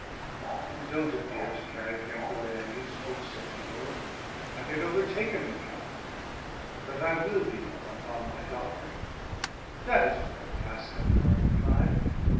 "I don't appear to carry drink the way I used to," said my lord. "I get overtaken, Mackellar. But I will be more upon my guard." "That is what I would ask of you," I replied.